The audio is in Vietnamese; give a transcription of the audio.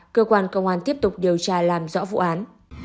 cơ quan công an tiếp tục điều tra làm rõ vụ án